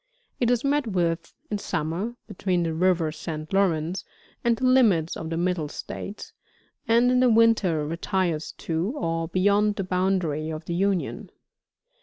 It is met with, in summer, between the river St. Lawrence and the limits of the Middle States, and in the winter retires to, or beyond the boundary of the Union.